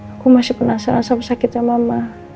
aku masih penasaran asap sakitnya mama